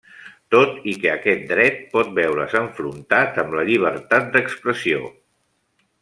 Tot i que aquest dret pot veure's enfrontat amb la llibertat d'expressió.